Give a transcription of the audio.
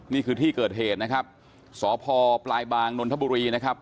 นี่คือที่เกิดเหตุนะครับสพปลายบางนนทบุรีนะครับ